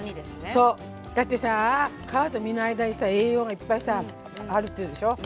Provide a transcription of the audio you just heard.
そうだってさ皮と身の間にさ栄養がいっぱいさあるって言うでしょ。